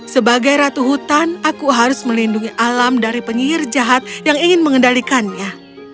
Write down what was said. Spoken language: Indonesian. sebagai ratu hutan aku harus melindungi alam dari penyihir jahat yang ingin mengendalikannya